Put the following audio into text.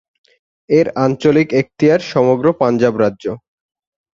এর আঞ্চলিক এখতিয়ার সমগ্র পাঞ্জাব রাজ্য।